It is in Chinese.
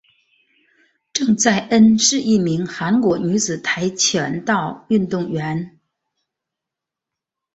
郑在恩是一名韩国女子跆拳道运动员。